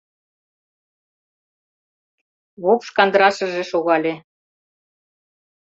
Вопш кандрашыже шогале.